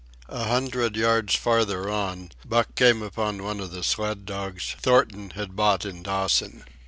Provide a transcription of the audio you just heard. A hundred yards farther on, Buck came upon one of the sled dogs Thornton had bought in Dawson.